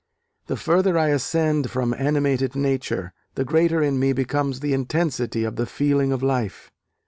The further I ascend from animated nature ... the greater in me becomes the intensity of the feeling of life.